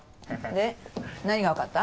で何がわかった？